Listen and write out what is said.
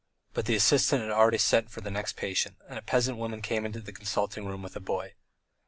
But the assistant had already sent for the next patient, and a peasant woman came into the consulting room with a boy.